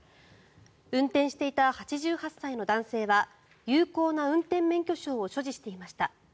運転していた８８歳の男性は有効な運転免許証を所持していました。